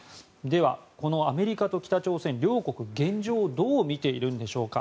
では、アメリカと北朝鮮、両国現状をどう見ているのでしょうか。